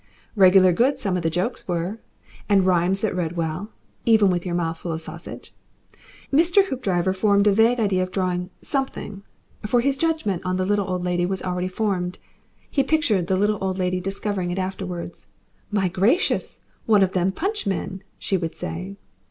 Regular good some of the jokes were, and rhymes that read well even with your mouth full of sausage. Mr. Hoopdriver formed a vague idea of drawing "something" for his judgment on the little old lady was already formed. He pictured the little old lady discovering it afterwards "My gracious! One of them Punch men," she would say.